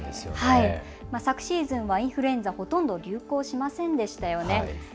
昨シーズンはインフルエンザほとんど流行しませんでしたよね。